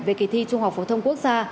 về kỳ thi trung học phổ thông quốc gia